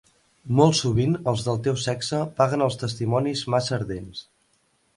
Molt sovint els del teu sexe paguen els testimonis massa ardents.